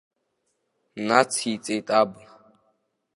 Наҵицеит аб.